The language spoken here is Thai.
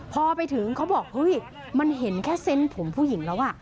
พอไปถึงเขาบอกเฮ้ยมันเห็นแค่เซนต์ผมผู้หญิงแล้วอ่ะ